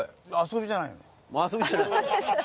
遊びじゃないのよ。